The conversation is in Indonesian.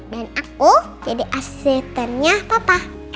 dan aku jadi asistennya papa